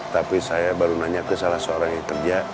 tapi saya baru nanya ke salah seorang yang kerja